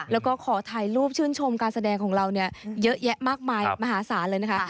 แล้วก็ขอถ่ายรูปชื่นชมการแสดงของเราเนี่ยเยอะแยะมากมายมหาศาลเลยนะคะ